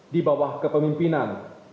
di bawah kepemimpinan